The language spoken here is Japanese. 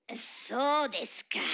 そうですか。